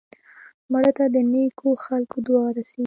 مړه ته د نیکو خلکو دعا رسېږي